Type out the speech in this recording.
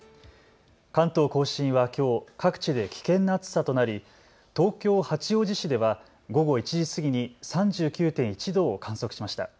関東甲信はきょう各地で危険な暑さとなり、東京八王子市では午後１時過ぎに３９．１度を観測しました。